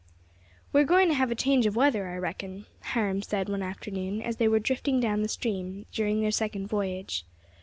"WE are going to have a change of weather, I reckon," Hiram said one afternoon as they were drifting down the stream during their second voyage.